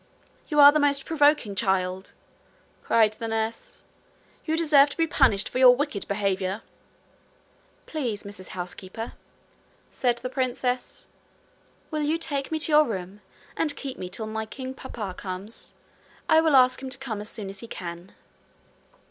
'You are the most provoking child!' cried her nurse. 'You deserve to be well punished for your wicked behaviour.' 'Please, Mrs Housekeeper,' said the princess, 'will you take me to your room, and keep me till my king papa comes? I will ask him to come as soon as he can.'